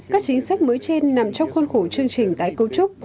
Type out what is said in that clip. các chính sách mới trên nằm trong khuôn khổ chương trình tái cấu trúc